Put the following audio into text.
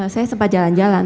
saya sempat jalan jalan